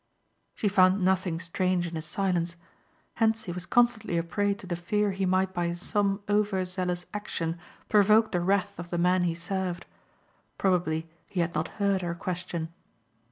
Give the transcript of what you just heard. She found nothing strange in his silence. Hentzi was constantly a prey to the fear he might by some over zealous action provoke the wrath of the man he served. Probably he had not heard her question.